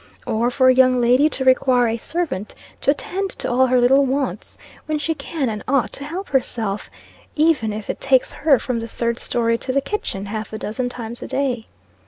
Or for a young lady to require a servant to attend to all her little wants, when she can and ought to help herself, even if it takes her from the third story to the kitchen, half a dozen times a day.